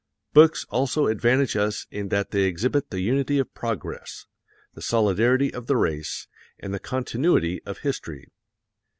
Books also advantage us in that they exhibit the unity of progress, the solidarity of the race, and the continuity of history.